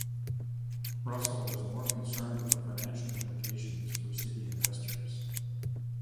Russell was more concerned with the financial implications for City investors.